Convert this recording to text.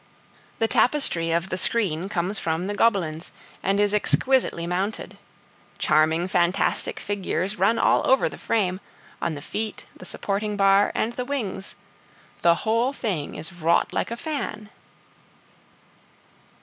The tapestry of the screen comes from the Gobelins and is exquisitely mounted; charming fantastic figures run all over the frame, on the feet, the supporting bar, and the wings; the whole thing is wrought like a fan.